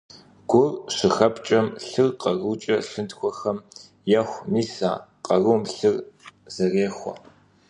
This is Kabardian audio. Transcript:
Гур щыхэпкӀэм, лъыр къарукӀэ лъынтхуэхэм еху, мис а къарум лъыр зэрехуэ.